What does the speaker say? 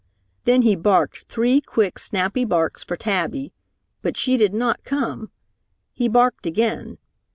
Then he barked three quick, snappy barks for Tabby, but she did not come. He barked again.